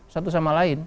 satu sama lain